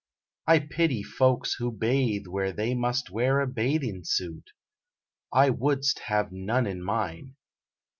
I pity folks who bathe where they must wear A bathin suit! I wouldst have none in mine.